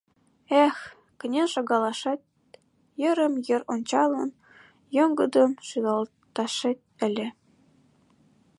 Эх, кынел шогалашет, йырым-йыр ончалын, йоҥгыдын шӱлалташет ыле...